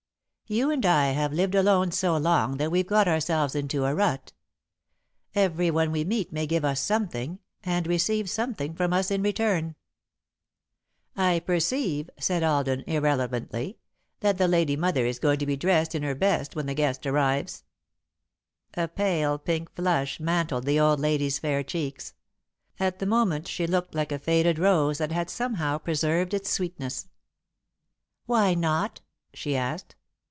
"You and I have lived alone so long that we've got ourselves into a rut. Everyone we meet may give us something, and receive something from us in return." [Sidenote: Best Things for Strangers] "I perceive," said Alden, irrelevantly, "that the Lady Mother is going to be dressed in her best when the guest arrives." A pale pink flush mantled the old lady's fair cheeks. At the moment she looked like a faded rose that had somehow preserved its sweetness. "Why not?" she asked.